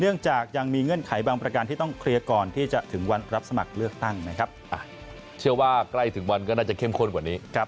จากยังมีเงื่อนไขบางประการที่ต้องเคลียร์ก่อนที่จะถึงวันรับสมัครเลือกตั้งนะครับเชื่อว่าใกล้ถึงวันก็น่าจะเข้มข้นกว่านี้ครับ